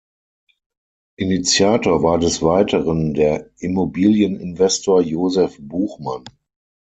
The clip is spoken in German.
Initiator war des Weiteren der Immobilieninvestor Josef Buchmann.